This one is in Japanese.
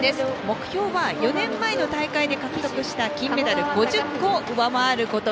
目標は、４年前の大会で獲得した金メダル５０個を上回ること。